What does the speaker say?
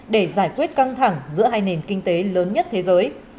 để giải quyết căng thẳng giữa hai nền kinh tế lớn nhất thế giới